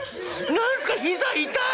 何すか膝痛い！」。